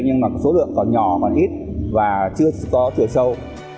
nhưng mà số lượng còn nhỏ còn ít và chưa có chiều sâu